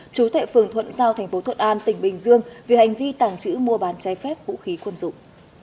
chú thệ phường thuận giao thành phố thuận an tỉnh bình dương về hành vi tàng trữ mua bán trái phép vũ khí quân dụng